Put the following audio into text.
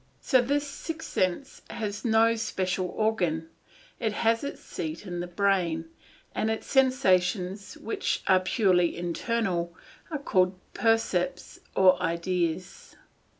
So this sixth sense has no special organ, it has its seat in the brain, and its sensations which are purely internal are called percepts or ideas.